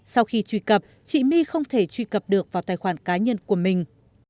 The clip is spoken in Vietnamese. sau khi truy cập chị my không thể truy cập được vào tài khoản cá nhân của mình